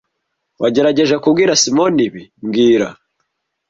Wagerageje kubwira Simoni ibi mbwira